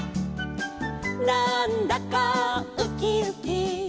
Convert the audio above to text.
「なんだかウキウキ」